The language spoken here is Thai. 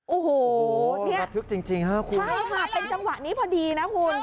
โอ้โหนี่ระทึกจริงจริงฮะคุณใช่ค่ะเป็นจังหวะนี้พอดีนะคุณ